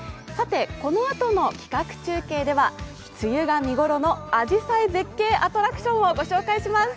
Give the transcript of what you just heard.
このあとの企画中継では梅雨が見頃のあじさい絶景アトラクションを御紹介します。